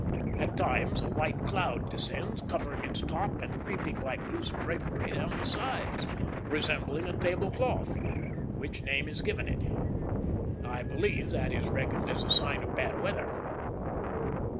At times a white cloud descends, covering its top and creeping like loose drapery down the sides, resembling a table cloth; which name is given it. I believe that is reckoned a sign of bad weather.